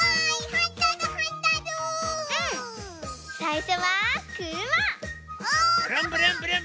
はい。